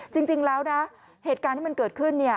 จริงแล้วนะเหตุการณ์ที่มันเกิดขึ้นเนี่ย